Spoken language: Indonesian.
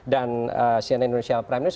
cnn indonesia prime news